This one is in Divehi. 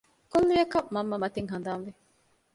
ކުއްލިއަކަށް މަންމަ މަތިން ހަނދާންވި